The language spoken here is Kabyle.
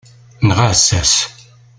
Neɣ aɛessas.